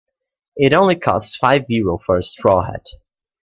It only costs five Euro for a straw hat.